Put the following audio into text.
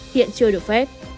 hiện chưa được phép